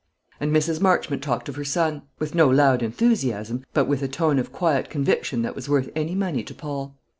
And Mrs. Marchmont talked of her son; with no loud enthusiasm, but with a tone of quiet conviction that was worth any money to Paul.